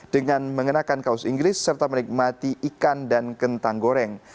dengan mengenakan kaos inggris serta menikmati ikan dan kentang goreng